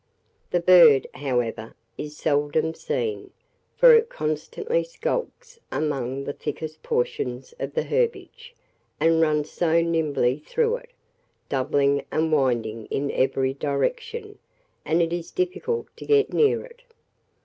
The bird, however, is seldom seen, for it constantly skulks among the thickest portions of the herbage, and runs so nimbly through it, doubling and winding in every direction, that it is difficult to get near it.